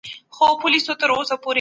ستاسو په ژوند کي به رښتینې خوښي راسي.